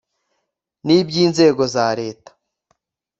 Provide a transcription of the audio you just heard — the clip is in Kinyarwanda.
n iby inzego za Leta